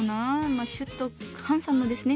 まあシュッとハンサムですね。